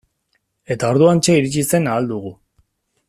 Eta orduantxe iritsi zen Ahal Dugu.